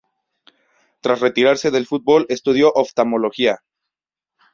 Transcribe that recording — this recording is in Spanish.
Tras retirarse del fútbol estudió Oftalmología.